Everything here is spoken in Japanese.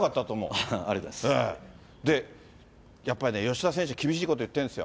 で、やっぱりね、吉田選手、厳しいこと言ってるんですよ。